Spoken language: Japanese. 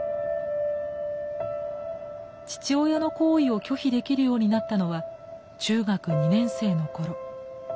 父親の行為を拒否できるようになったのは中学２年生の頃。